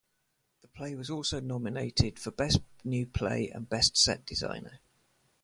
The play was also nominated for Best New Play and Best Set Designer.